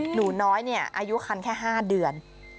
หนูน้อยอายุคันแค่๕เดือน